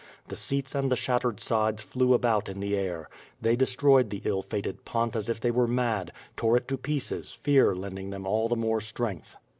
The seats and the shatjtered sides flew about in the air. They destroyed the ill fated pont as if they were mad; tore it to pieces, fear lending them all the more strength.